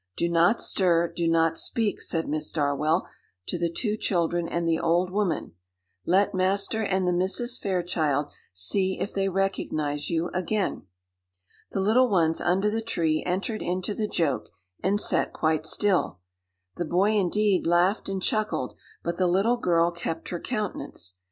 "Do not stir, do not speak," said Miss Darwell, to the two children and the old woman; "let Master and the Misses Fairchild see if they recognise you again." The little ones under the tree entered into the joke, and sat quite still. The boy, indeed, laughed and chuckled; but the little girl kept her countenance.